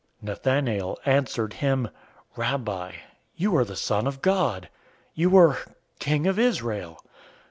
001:049 Nathanael answered him, "Rabbi, you are the Son of God! You are King of Israel!"